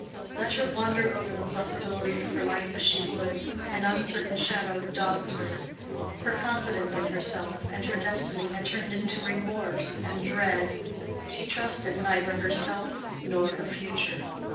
Let her wander over the possibilities of her life as she would, an uncertain shadow dogged her. Her confidence in herself and her destiny had turned into remorse and dread; she trusted neither herself nor her future.